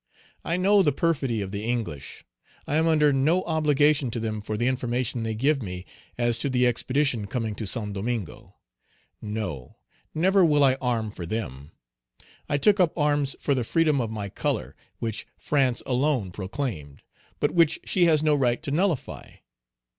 I know the perfidy of the English. I am under no obligation to them for the information they give me as to the expedition coming to Saint Domingo. No! never will I arm for them! I took up arms for the freedom of my color, which France alone proclaimed, but which she has no right to nullify.